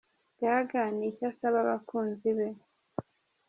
Gaga niki asaba abakunzi be ?.